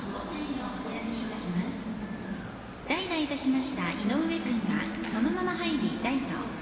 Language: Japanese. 代打いたしました井上君がそのまま入り、ライト。